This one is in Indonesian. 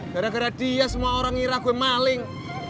gara gara dia semua orang ngira gue maling